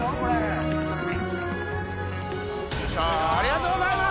ありがとうございます。